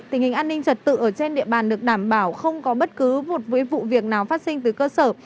tình hình an ninh trật tự ở trên địa bàn được đảm bảo không có bất cứ một với vụ việc nào phát sinh từ cơ sở